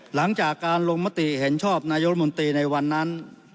หลังจากการลงมติเห็นชอบนายกรมนตรีในวันนั้น